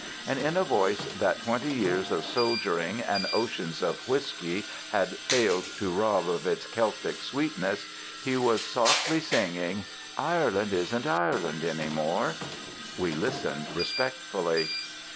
And in a voice that twenty years of soldiering and oceans of whisky had failed to rob of its Celtic sweetness, he was softly singing: "Ireland Isn't Ireland Any More." We listened respectfully.